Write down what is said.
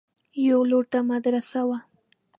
يوه لور ته مدرسه وه.